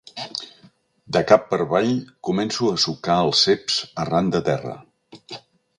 De cap per avall, començo a assocar els ceps arran de terra.